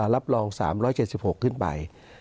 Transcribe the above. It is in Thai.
รับรอง๓๗๖ขึ้นไป